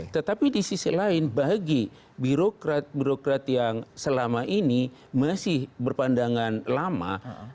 tetapi di sisi lain bagi birokrat birokrat yang selama ini masih berpandangan lama